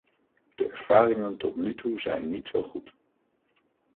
De ervaringen tot nu toe zijn niet zo goed.